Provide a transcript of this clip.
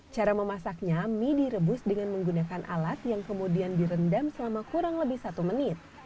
cara memasaknya mie direbus dengan menggunakan alat yang kemudian direndam selama kurang lebih satu menit